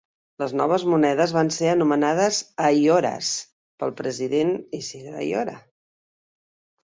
Les noves monedes van ser anomenades "ayoras" pel president Isidro Ayora.